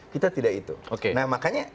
kita tidak itu nah makanya